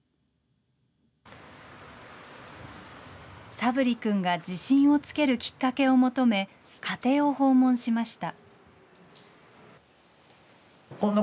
佐分利君が自信をつけるきっかけを求め、家庭を訪問しました。